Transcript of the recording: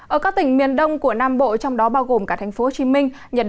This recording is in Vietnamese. ở các tỉnh miền đông của nam bộ trong đó bao gồm cả thành phố hồ chí minh